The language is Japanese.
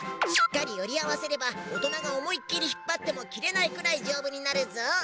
しっかりよりあわせればおとながおもいっきりひっぱってもきれないくらいじょうぶになるぞ。